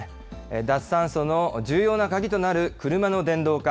脱炭素の重要な鍵となる車の電動化。